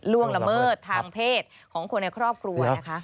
ล่วงละเมิดทางเพศของคนในครอบครัวนะคะ